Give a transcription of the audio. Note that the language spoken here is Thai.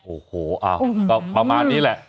โอ้โหก็ประมาณนี้แหละ